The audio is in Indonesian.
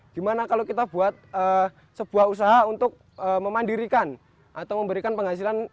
gimana kalau kita buat sebuah usaha untuk memandirikan atau memberikan penghasilan